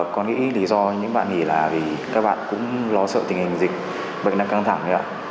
con nghĩ lý do những bạn này là vì các bạn cũng lo sợ tình hình dịch bệnh nặng căng thẳng